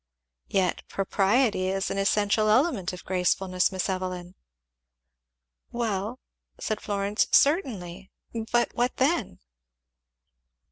"Yet propriety is an essential element of gracefulness, Miss Evelyn." "Well," said Florence, "certainly; but what then?"